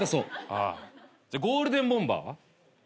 じゃあゴールデンボンバーは？